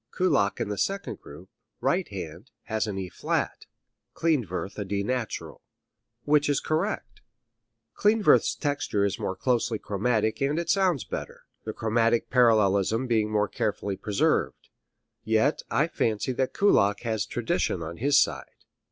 Kullak in the second group, right hand, has an E flat, Klindworth a D natural. Which is correct? Klindworth's texture is more closely chromatic and it sounds better, the chromatic parallelism being more carefully preserved. Yet I fancy that Kullak has tradition on his side.